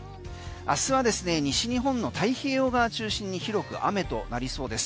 明日は西日本の太平洋側中心に広く雨となりそうです。